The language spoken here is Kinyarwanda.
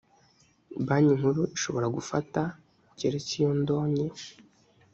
banki nkuru ishobora gufata keretse iyo ndonye